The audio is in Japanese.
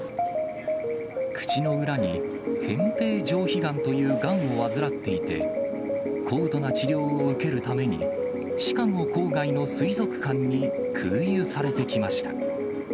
口の裏に扁平上皮癌というがんを患っていて、高度な治療を受けるために、シカゴ郊外の水族館に空輸されてきました。